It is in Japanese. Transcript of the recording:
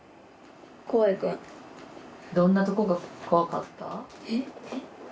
どんなところが怖かった？